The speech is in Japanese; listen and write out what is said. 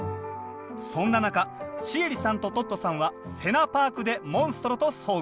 そんな中シエリさんとトットさんはセナパークでモンストロと遭遇。